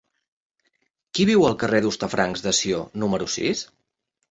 Qui viu al carrer d'Hostafrancs de Sió número sis?